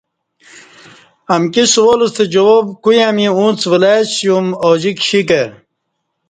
امکی سوال ستہ جواب کُویاں می اُݩڅ ولئسیوم اوجی کشی کہ